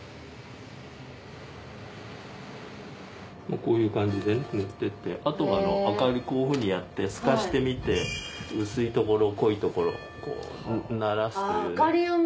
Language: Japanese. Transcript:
こういう感じでね塗ってってあとは明かりにこういうふうにやって透かしてみて薄いところ濃いところならすというね。